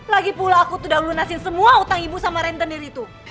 lagipula aku tuh udah lunasin semua utang ibu sama rentenir itu